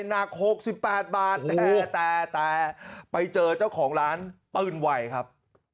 หนักหกสิบแปดบาทแต่แต่แต่ไปเจอเจ้าของร้านเปิ้ลไหวครับ